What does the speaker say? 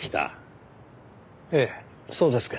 ええそうですけど。